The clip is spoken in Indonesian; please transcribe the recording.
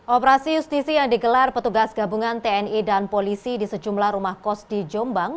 operasi justisi yang digelar petugas gabungan tni dan polisi di sejumlah rumah kos di jombang